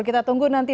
kita tunggu nanti